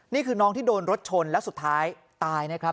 นี่คือน้องที่โดนรถชนแล้วสุดท้ายตายนะครับ